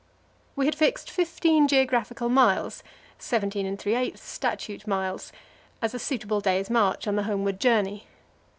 We had fixed fifteen geographical miles (seventeen and three eighths statute miles) as a suitable day's march on the homeward journey.